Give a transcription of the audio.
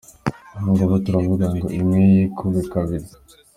Ubungubu turavuga ngo imwe yikube kabiri.